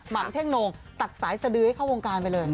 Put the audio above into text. เท่งโน่งตัดสายสดือให้เข้าวงการไปเลย